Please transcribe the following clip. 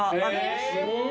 すごい。